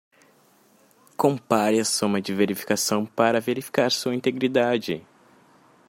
Compare a soma de verificação para verificar sua integridade.